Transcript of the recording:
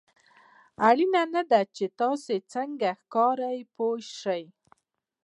اړینه نه ده چې تاسو څنګه ښکارئ پوه شوې!.